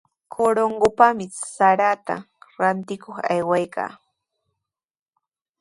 Corongopami sarata rantikuq aywayanqa.